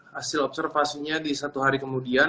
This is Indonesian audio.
hasil observasinya di satu hari kemudian